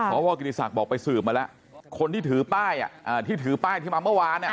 สวกิริสักษ์บอกไปสืบมาแล้วคนที่ถือป้ายอ่ะอ่าที่ถือป้ายที่มาเมื่อวานเนี่ย